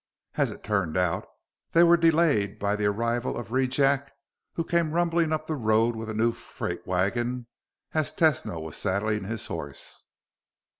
As it turned out, they were delayed by the arrival of Rejack, who came rumbling up the road with a new freight wagon as Tesno was saddling his horse.